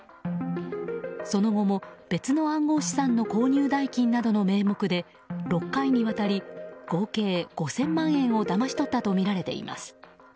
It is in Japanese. その後も、別の暗号資産の購入代金などの名目で６回にわたり合計５０００万円をだまし取ったとみられています。